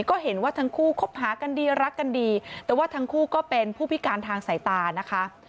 ก็เห็นว่าทั้งคู่คบหากันดีรักกันดีแต่ว่าทั้งคู่ก็เป็นผู้พิการทางสายตานะคะ